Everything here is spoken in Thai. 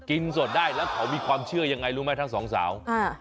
สดได้แล้วเขามีความเชื่อยังไงรู้ไหมทั้งสองสาว